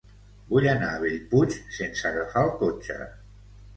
Vull anar a Bellpuig sense agafar el cotxe.